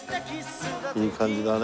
いい感じだね